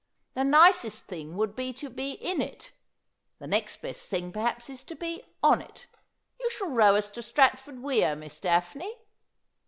The nicest thing would be to be in it : the next best thing perhaps is to be on it. You shall row us to Stratford Weir, Miss Daphne.'